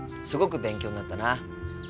すごく勉強になったな。